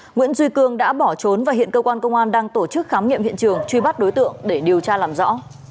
nguyễn duy cương đã bỏ trốn và hiện cơ quan công an đang tổ chức khám nghiệm hiện trường truy bắt đối tượng để điều tra làm rõ